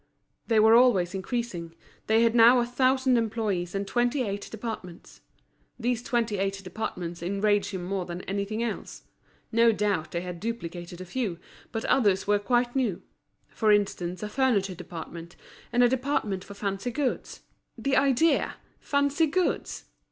They were always increasing, they had now a thousand employees and twenty eight departments. These twenty eight departments enraged him more than anything else. No doubt they had duplicated a few, but others were quite new; for instance a furniture department, and a department for fancy goods. The idea! Fancy goods!